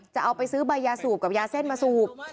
จะเอาไปซื้อใบยาสูบกับยาเส้นมาสูบ